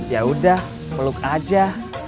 yaudah meluk aja